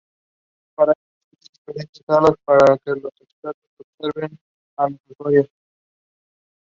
Eisenhower was mostly reticent to discuss his death.